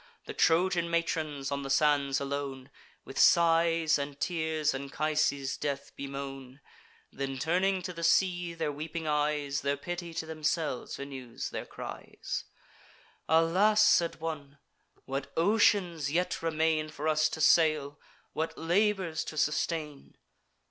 The Trojan matrons, on the sands alone, With sighs and tears Anchises' death bemoan; Then, turning to the sea their weeping eyes, Their pity to themselves renews their cries. "Alas!" said one, "what oceans yet remain For us to sail! what labours to sustain!"